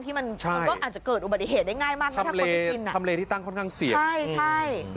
ที่มันก็อาจจะเกิดอุบัติเหตุได้ง่ายมากนะทำเลที่ตั้งค่อนข้างเสียบใช่ใช่